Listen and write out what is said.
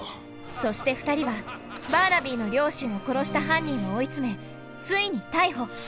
そして２人はバーナビーの両親を殺した犯人を追い詰めついに逮捕。